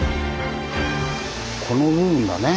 この部分だね。